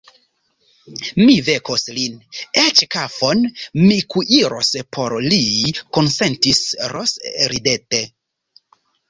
Mi vekos lin, eĉ kafon mi kuiros por li, konsentis Ros ridete.